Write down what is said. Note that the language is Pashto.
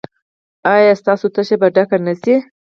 ایا ستاسو تشه به ډکه نه شي؟